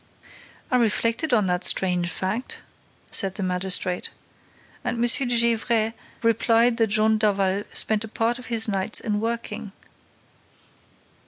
"I reflected on that strange fact," said the magistrate, "and M. de Gesvres replied that Jean Daval spent a part of his nights in working."